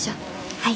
はい。